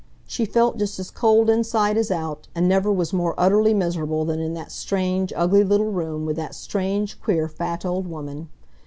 She felt just as cold inside as out, and never was more utterly miserable than in that strange, ugly little room, with that strange, queer, fat old woman.